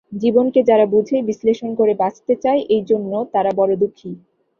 জীবনকে যারা বুঝে, বিশ্লেষণ করে বাঁচতে চায় এইজন্য তারা বড় দুঃখী।